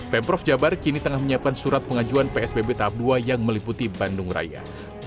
pemprov jabar kini tengah menyiapkan surat pengajuan psbb tahap dua yang meliputi bandung raya